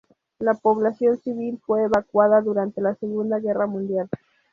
La población civil fue evacuada durante la Segunda Guerra Mundial.